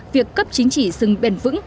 việc cấp chứng chỉ rừng bền vững